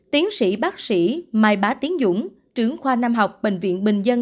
tiến sĩ bác sĩ mai bá tiến dũng trưởng khoa nam học bệnh viện bình dân